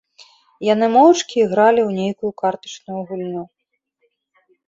Яны моўчкі ігралі ў нейкую картачную гульню.